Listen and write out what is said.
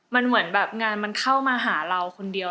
มันเหมือนแบบงานมันเข้ามาหาเราคนเดียว